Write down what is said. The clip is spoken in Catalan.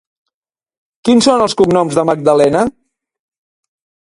Quins són els cognoms de Magdalena?